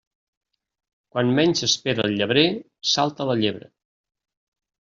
Quan menys s'espera el llebrer, salta la llebre.